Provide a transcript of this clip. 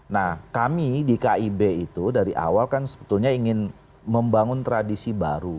nah kami di kib itu dari awal kan sebetulnya ingin membangun tradisi baru